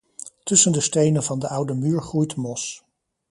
Tussen de stenen van de oude muur groeit mos.